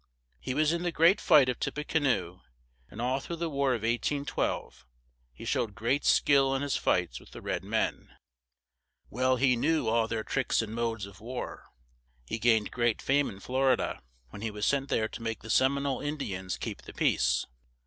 He was in the great fight of Tip pe ca noe; and all through the War of 1812 he showed great skill in his fights with the red men; well he knew all their tricks and modes of war. He gained great fame in Flor i da, when he was sent there to make the Sem i nole In di ans keep the peace.